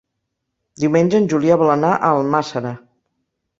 Diumenge en Julià vol anar a Almàssera.